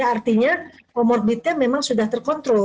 artinya komorbitnya memang sudah terkontrol